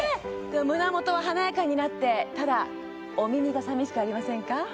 胸元は華やかになってただお耳が寂しくありませんか？